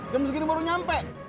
jam segini baru nyampe